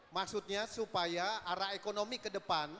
maksudnya supaya arah ekonomi ke depan